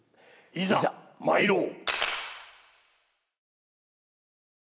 いざ参ろう。